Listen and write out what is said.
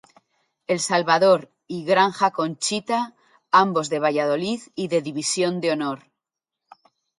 El Salvador y Granja Conchita, ambos de Valladolid y de División de Honor.